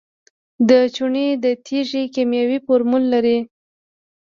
د چونې د تیږې کیمیاوي فورمول لري.